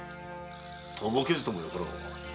とぼけずともよかろう。